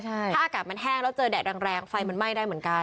ถ้าอากาศมันแห้งแล้วเจอแดดแรงไฟมันไหม้ได้เหมือนกัน